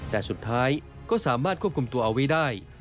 แต่สุดท้ายก็สามารถควบคุมตัวเอาไว้ได้